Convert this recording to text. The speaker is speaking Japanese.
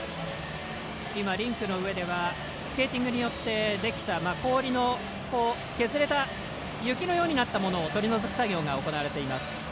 リンクの上ではスケーティングによってできた氷の削れた雪のようになったものを取り除く作業が行われています。